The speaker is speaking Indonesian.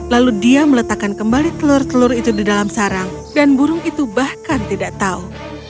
lalu dia meletakkan kembali telur telur itu di dalam sarang dan burung itu bahkan tidak tahu